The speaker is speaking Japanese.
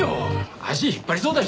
足引っ張りそうだし！